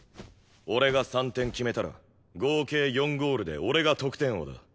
俺が３点決めたら合計４ゴールで俺が得点王だ。